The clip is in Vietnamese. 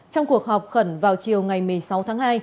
trong cuộc họp khẩn vào chiều ngày một mươi sáu tháng hai